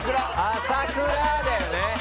「朝倉」だよね。